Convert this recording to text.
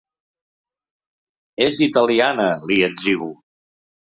És italiana —li etzibo.